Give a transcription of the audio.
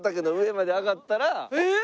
えっ！